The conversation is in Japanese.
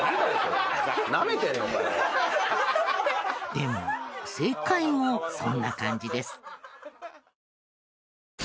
でも正解もそんな感じです。